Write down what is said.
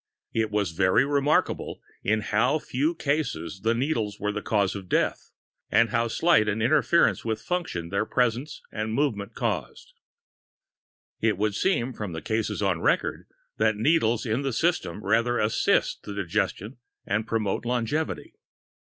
It is very remarkable in how few cases the needles were the cause of death, and how slight an interference with function their presence and movement cause." It would seem, from the cases on record, that needles in the system rather assist in the digestion and promote longevity.